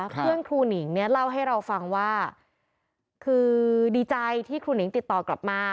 ครูหนิงเนี่ยเล่าให้เราฟังว่าคือดีใจที่ครูหนิงติดต่อกลับมา